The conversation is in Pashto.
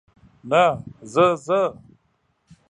نه، زه، زه.